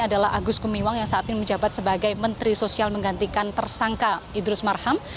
adalah agus gumiwang yang saat ini menjabat sebagai menteri sosial menggantikan tersangka idrus marham